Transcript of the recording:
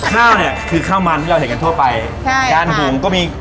ข้าวเนี่ยคือข้าวมันที่เราเห็นกันทั่วไปค่ะการหุงก็มี